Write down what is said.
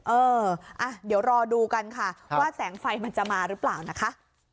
เออเดี๋ยวรอดูกันค่ะว่าแสงไฟมันจะมาหรือเปล่านะคะ